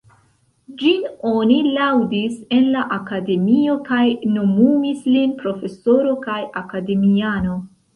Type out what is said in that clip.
Ĝin oni laŭdis en la Akademio kaj nomumis lin profesoro kaj akademiano.